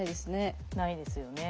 ないですね。